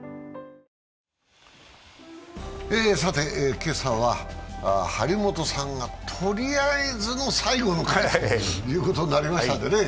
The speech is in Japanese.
今朝は張本さんがとりあえずの最後の回ということになりましたのでね